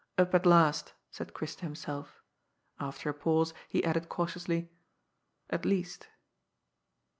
" Up at last," said Chris to himself. After a pause he added cautiously, " At least."